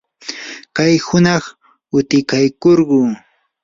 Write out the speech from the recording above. kay hunaq utikaykurquu.